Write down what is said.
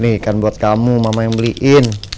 nih ikan buat kamu mama yang beliin